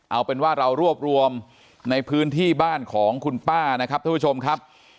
เอาเป็นว่าเรารวบรวมในพื้นที่บ้านของคุณป้านะครับท่านผู้ชมครับ